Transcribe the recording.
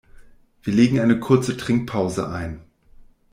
Wir legen eine kurze Trinkpause ein.